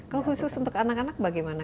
kalau khusus untuk anak anak bagaimana